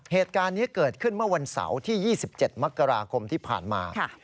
เหตุการณ์นี้เกิดขึ้นเมื่อวันเสาร์ที่๒๗มกราคมที่ผ่านมา